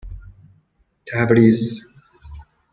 تبریز